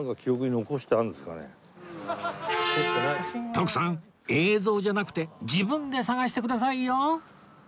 徳さん映像じゃなくて自分で探してくださいよ！